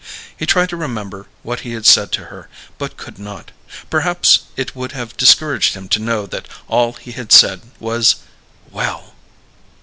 He tried to remember what he had said to her, but could not; perhaps it would have discouraged him to know that all he had said was, "Well!"